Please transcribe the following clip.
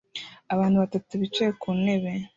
Abantu batatu bicaye ku ntebe